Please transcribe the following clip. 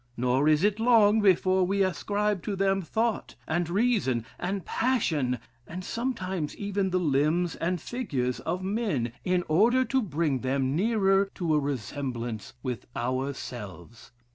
Nor is it long before we ascribe to them thought, and reason, and passion, and sometimes even the limbs and figures of men, in order to bring them nearer to a resemblance with ourselves....